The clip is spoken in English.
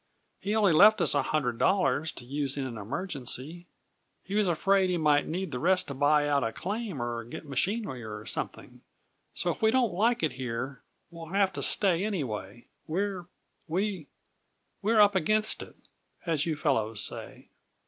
He only left us a hundred dollars, to use in an emergency! He was afraid he might need the rest to buy out a claim or get machinery or something. So if we don't like it here we'll have to stay, anyway. We we're 'up against it,' as you fellows say." [Illustration: "WE WE'RE 'UP AGAINST IT,' AS YOU FELLOWS SAY."